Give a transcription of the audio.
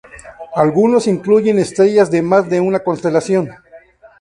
Algunos incluyen estrellas de más de una constelación.